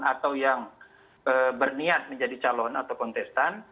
atau yang berniat menjadi calon atau kontestan